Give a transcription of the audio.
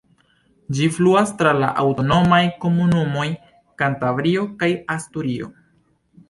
Ĝi fluas tra la aŭtonomaj komunumoj Kantabrio kaj Asturio.